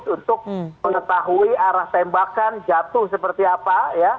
untuk mengetahui arah tembakan jatuh seperti apa